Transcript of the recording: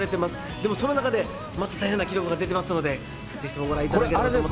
でもその中で、また大変な記録も出ていますので、ぜひともご覧いただければと思います。